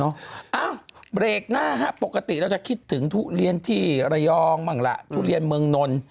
เอ้าเบรกหน้าฮะปกติเราจะคิดถึงทุเรียนที่ระยองบ้างล่ะทุเรียนเมืองนนท์